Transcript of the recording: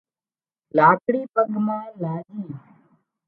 لاڪڙي پڳ مان لاڄي